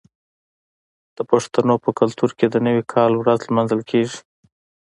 د پښتنو په کلتور کې د نوي کال ورځ لمانځل کیږي.